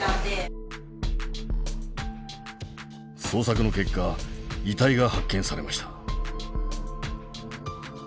捜索の結果遺体が発見されました。